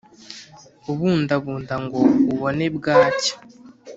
Ubundabunda ngo ubone bwacya,